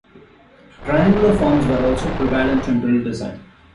Triangular forms were also prevalent in drill design.